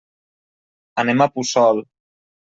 Anem a Puçol.